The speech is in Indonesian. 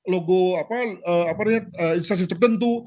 logo apa apa namanya instansi tertentu